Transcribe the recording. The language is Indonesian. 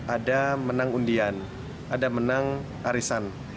ada menang undian ada menang arisan